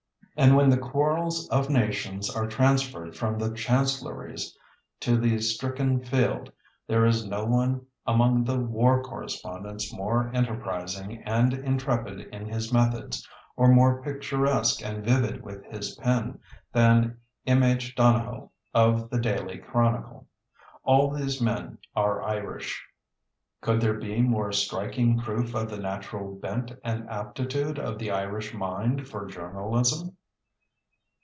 And when the quarrels of nations are transferred from the chancelleries to the stricken field there is no one among the war correspondents more enterprising and intrepid in his methods, or more picturesque and vivid with his pen, than M.H. Donohoe of the Daily Chronicle. All these men are Irish. Could there be more striking proof of the natural bent and aptitude of the Irish mind for journalism?